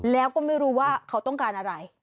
แล้วก็ไม่รู้ว่าเขาต้องการอะไร